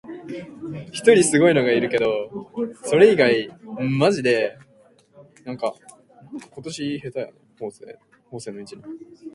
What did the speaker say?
私（わたくし）がその掛茶屋で先生を見た時は、先生がちょうど着物を脱いでこれから海へ入ろうとするところであった。